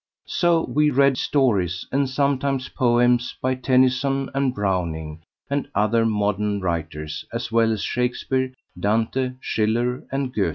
So we read stories, and sometimes poems by Tennyson and Browning and other modern writers, as well as Shakspeare, Dante, Schiller, and Goëthe.